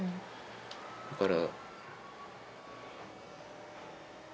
だから。